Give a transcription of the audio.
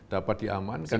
ini dapat diamankan